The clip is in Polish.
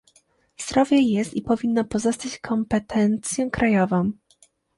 Zdrowie jest i powinno pozostać kompetencją krajową